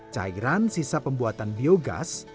cairan sisa pembuatan biogas